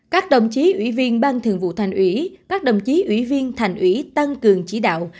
các đồng chí ủy viên ban thường vụ thành ủy các đồng chí ủy viên thành ủy tăng cường chỉ đạo